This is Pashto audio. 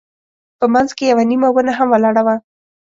په منځ کې یوه نیمه ونه هم ولاړه وه.